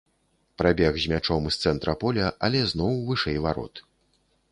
Прабег з мячом з цэнтра поля, але зноў вышэй варот.